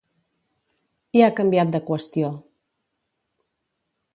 I ha canviat de qüestió.